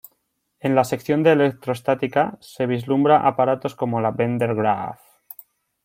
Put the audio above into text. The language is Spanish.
En la sección de electrostática se vislumbra aparatos como la Van Der Graaff.